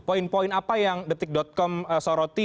poin poin apa yang detik com soroti